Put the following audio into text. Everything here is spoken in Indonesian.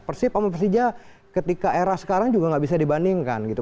persib sama persija ketika era sekarang juga nggak bisa dibandingkan gitu